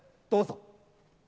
どうぞ。